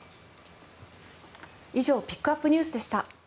以上ピックアップＮＥＷＳでした。